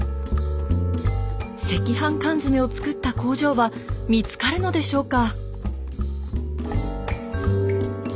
赤飯缶詰を作った工場は見つかるのでしょうか？